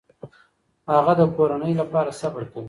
هغه د کورنۍ لپاره صبر کوي.